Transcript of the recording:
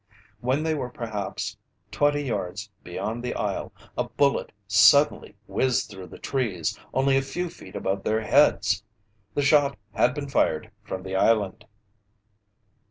When they were perhaps twenty yards beyond the isle, a bullet suddenly whizzed through the trees, only a few feet above their heads. The shot had been fired from the island.